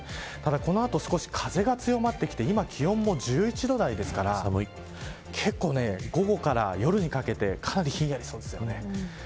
ただこの後、風が強まってきて今、気温も１１度台ですから結構、午後から夜にかけてかなりひんやりしそうです。